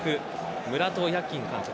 ムラト・ヤキン監督。